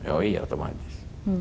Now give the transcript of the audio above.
oh ya otomatis